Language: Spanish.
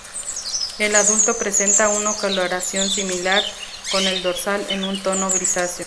El adulto presenta una coloración similar, con el dorsal en un tono grisáceo.